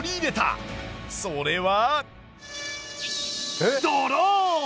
それは。